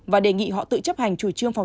và đề nghị họ tự chấp hành chủ trương phòng